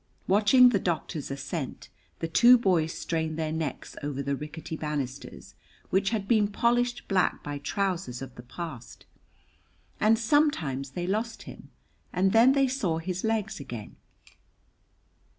Watching the doctor's ascent, the two boys strained their necks over the rickety banisters, which had been polished black by trousers of the past, and sometimes they lost him, and then they saw his legs again.